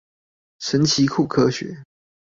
神奇酷科學